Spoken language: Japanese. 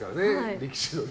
力士のね。